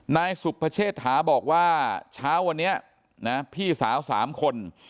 นายสุภเชษฐาบอกว่าเช้าวันนี้นะพี่สาว๓คน